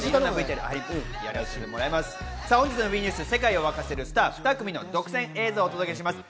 本日のＷＥニュース、世界をわかせるスター２組の独占映像をお届けします。